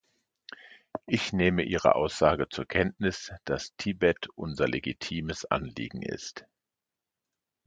Ich nehme Ihre Aussage zur Kenntnis, dass Tibet unser legitimes Anliegen ist.